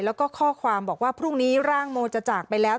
แล้วก็ข้อความบอกว่าพรุ่งนี้ร่างโมจะจากไปแล้ว